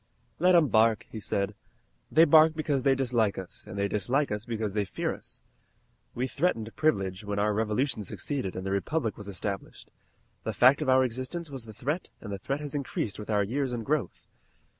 "Let 'em bark," he said. "They bark because they dislike us, and they dislike us because they fear us. We threatened Privilege when our Revolution succeeded and the Republic was established. The fact of our existence was the threat and the threat has increased with our years and growth.